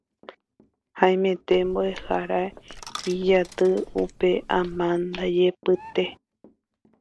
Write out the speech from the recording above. Haimete mboʼehára ijaty upe amandajépe.